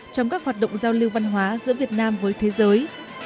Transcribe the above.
trong các hoạt động giao lưu văn hóa giữa việt nam với thế giới